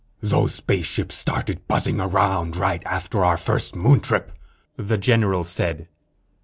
"Those spaceships started buzzing around right after our first Moon trip," the general said.